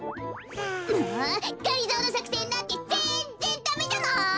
もうがりぞーのさくせんなんてぜんぜんダメじゃない！